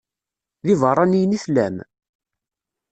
D ibeṛṛaniyen i tellam?